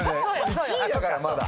１位だからまだ。